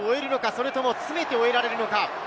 それとも詰めて終えるのか？